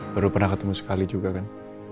baru pernah ketemu sekali juga kan